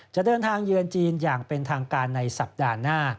จะเดินทางเยือนจีนอย่างเป็นทางการในสัปดาห์หน้า